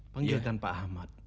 panggilkan pak ahmad